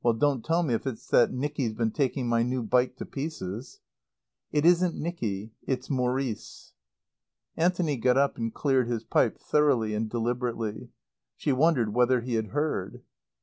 "Don't tell me if it's that Nicky's been taking my new bike to pieces." "It isn't Nicky It's Maurice." Anthony got up and cleared his pipe, thoroughly and deliberately. She wondered whether he had heard.